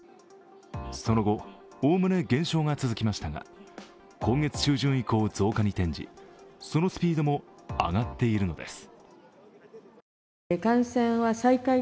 その後おおむね減少が続きましたが、今月中旬以降増加に転じ、そのスピードも上がっているのです。